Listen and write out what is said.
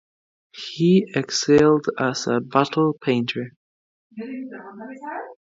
He excelled as a battle painter.